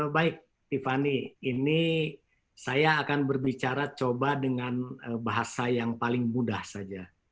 baik tiffany ini saya akan berbicara coba dengan bahasa yang paling mudah saja